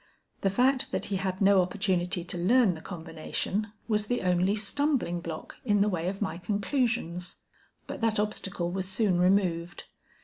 The fact that he had no opportunity to learn the combination, was the only stumbling block in the way of my conclusions. But that obstacle was soon removed.